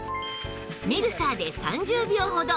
ミルサーで３０秒ほど